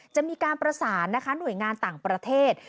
จะมีการประสานนะคะหน่วยงานต่างประเทศ